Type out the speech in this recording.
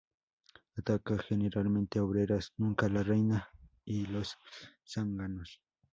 Ataca generalmente obreras, nunca la reina y los zánganos.